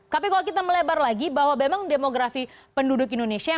tapi kalau kita melebar lagi bahwa memang demografi penduduk indonesia